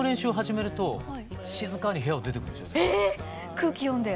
空気読んで？